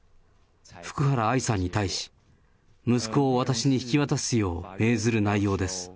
福原愛さんに対し、息子を私に引き渡すよう命ずる内容です。